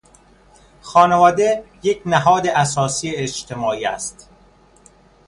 خانواده یک نهاد اساسی اجتماعی است.